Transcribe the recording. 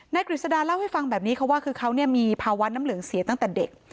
กฤษดาเล่าให้ฟังแบบนี้ค่ะว่าคือเขามีภาวะน้ำเหลืองเสียตั้งแต่เด็ก